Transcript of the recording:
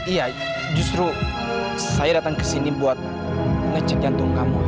iya justru saya datang kesini buat ngecek jantung kamu aida